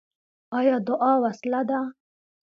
آیا دعا وسله ده؟